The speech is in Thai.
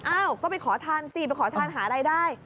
อ้าวก็ไปขอทานสิไปขอทานหารายได้